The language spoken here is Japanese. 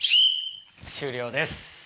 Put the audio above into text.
終了です。